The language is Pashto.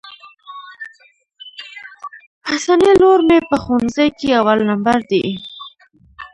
حسنی لور مي په ښوونځي کي اول نمبر ده.